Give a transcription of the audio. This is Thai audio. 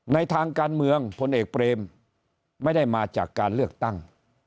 ในทางการเมืองพลเอกเปรมไม่ได้มาจากการเลือกตั้ง